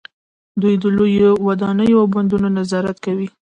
دوی د لویو ودانیو او بندونو نظارت کوي.